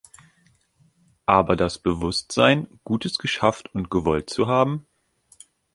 Aber das Bewusstsein, Gutes geschafft und gewollt zu haben.